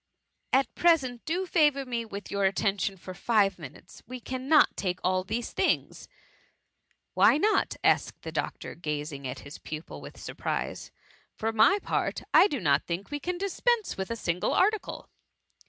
" At present, do favour me with your attention for five minutes. We cannot take all these things." " Why not?" asked the doctor, gazing at his pupil with surprise ;^^ for my part, I do not think we can dispense with a single article."